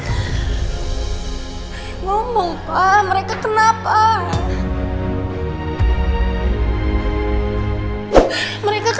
keras ngomong pak mereka kenapa mereka kenapa